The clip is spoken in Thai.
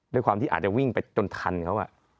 ด้วยความที่อาจจะวิ่งไปจนทันเขา